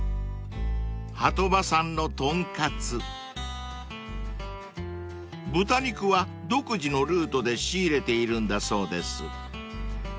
［波止場さんの豚カツ豚肉は独自のルートで仕入れているんだそうです］